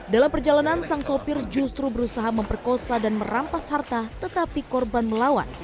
dalam perjalanan sang sopir justru berusaha memperkosa dan merampas harta tetapi korban melawan